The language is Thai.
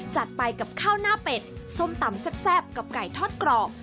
จัดไปกับข้าวหน้าเป็ดส้มตำแซ่บกับไก่ทอดกรอบ